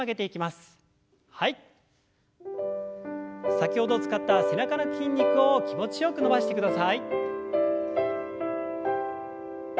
先ほど使った背中の筋肉を気持ちよく伸ばしてください。